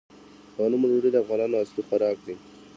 د غنمو ډوډۍ د افغانانو اصلي خوراک دی.